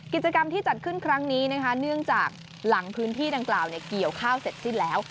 กิจกรรมที่จัดขึ้นครั้งนี้นะคะเนื่องจากหลังพื้นที่ดังกล่าวเกี่ยวข้าวเสร็จสิ้นแล้ว